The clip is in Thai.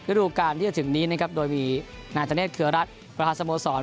ดูการที่จะถึงนี้นะครับโดยมีนายธเนธเครือรัฐประธานสโมสร